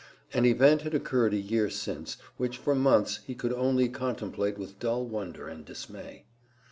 An event had occurred a year since, which for months, he could only contemplate with dull wonder and dismay.